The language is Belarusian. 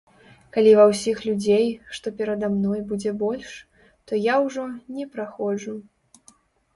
Калі ва ўсіх людзей, што перада мной, будзе больш, то я ўжо не праходжу.